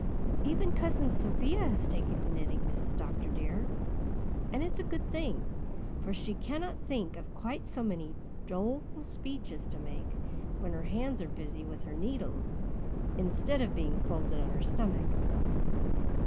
Even Cousin Sophia has taken to knitting, Mrs. Dr. dear, and it is a good thing, for she cannot think of quite so many doleful speeches to make when her hands are busy with her needles instead of being folded on her stomach.